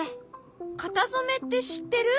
型染めって知ってる？